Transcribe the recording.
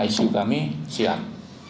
icu kami siap